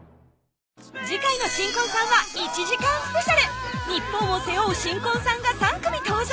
次回の新婚さんは１時間ＳＰニッポンを背負う新婚さんが３組登場